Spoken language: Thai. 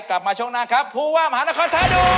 กลับมาช่วงหน้าครับผู้ว่ามหานครท้าดู